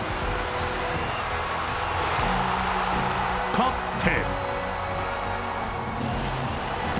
勝って。